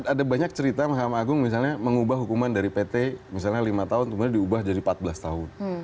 ada banyak cerita mahkamah agung misalnya mengubah hukuman dari pt misalnya lima tahun kemudian diubah jadi empat belas tahun